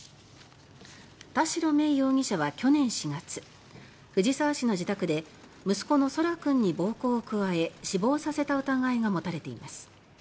田代芽衣容疑者は去年４月藤沢市の自宅で息子の空来君に暴行を加え死亡させた疑いが持たれています。